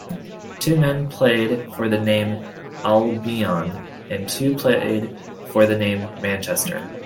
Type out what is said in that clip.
Two men played for the name "Albion" and two played for the name "Manchester.